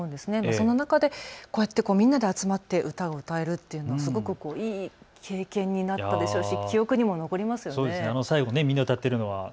その中でこうやってみんなで集まって歌を歌えるっていうのすごくいい経験になったでしょうし